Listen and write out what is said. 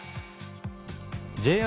ＪＲ